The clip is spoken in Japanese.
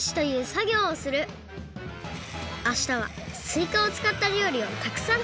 あしたはすいかをつかったりょうりをたくさんつくります！